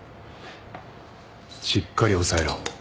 しっかり押さえろ。